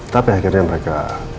tapi akhirnya mereka